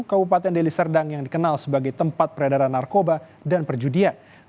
kabupaten deli serdang yang dikenal sebagai tempat peredaran narkoba dan perjudian